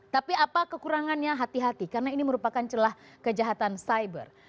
tapi apa kekurangannya hati hati karena ini merupakan celah kejahatan cyber